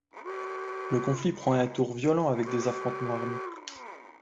Le conflit prend un tour violent, avec des affrontements armés.